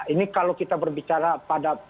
ini kalau kita berbicara pada